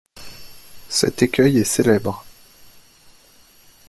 Cet écueil est célèbre.